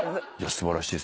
素晴らしいですね。